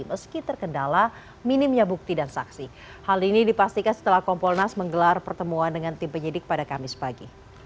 meski terkendala minimnya bukti dan saksi hal ini dipastikan setelah kompolnas menggelar pertemuan dengan tim penyidik pada kamis pagi